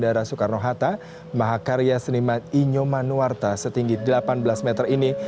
di mana para sukarno hatta maha karya seniman inyoman nuwarta setinggi delapan belas meter ini